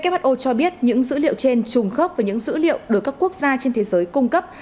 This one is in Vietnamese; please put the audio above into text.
who cho biết những dữ liệu trên trùng khớp với những dữ liệu được các quốc gia trên thế giới cung cấp